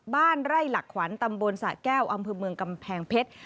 บ้านไร่หลักขวัญตำบลสะแก้วอำเภอเมืองกำแพงเพชร